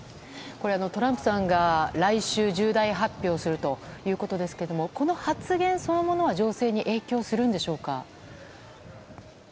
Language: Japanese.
トランプさんが来週重大発表するということですがこの発言そのものは情勢に影響するんでしょうか。